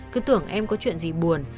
cứ tưởng em có chuyện gì buồn